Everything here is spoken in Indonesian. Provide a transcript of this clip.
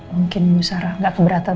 mungkin ibu sarah gak keberatan